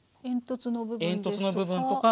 煙突の部分ですとか。